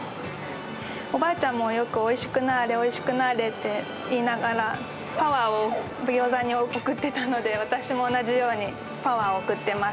おばあちゃんもよく、おいしくなぁれ、おいしくなぁれって言いながら、パワーをギョーザに送ってたので、私も同じように、パワーを送ってます。